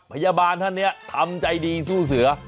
พยาบาลท่านนี้ทำใจดีสู้เสือ